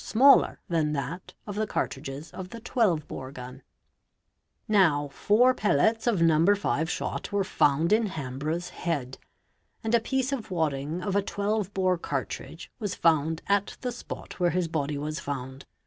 smaller than that of the cartridges of the 12 bore gun. Now fou pellets of No. 5 shot were found in Hambrough's head, and a piece wadding of a 12 bore cartridge was found at the spot where his bod | was found.